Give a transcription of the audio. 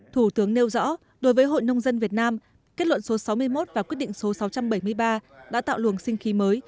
thủ tướng nêu rõ đối với hội nông dân việt nam kết luận số sáu mươi một và quyết định số sáu trăm bảy mươi ba đã tạo luồng sinh khí mới